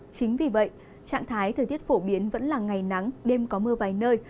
chính vì vậy trạng thái thời tiết phổ biến vẫn là ngày nắng đêm có mưa vài nơi